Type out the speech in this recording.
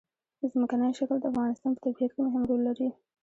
ځمکنی شکل د افغانستان په طبیعت کې مهم رول لري.